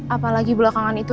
apalagi belakangan itu